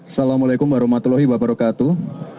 assalamualaikum warahmatullahi wabarakatuh